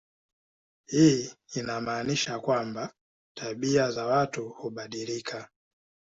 Hii inamaanisha kwamba tabia za watu hubadilika.